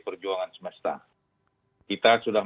perjuangan semesta kita sudah